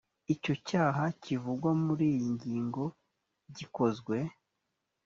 iyo icyaha kivugwa muri iyi ngingo gikozwe